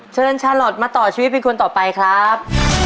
เชิญชาลอทมาต่อชีวิตเป็นคนต่อไปครับ